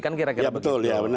kan kira kira begitu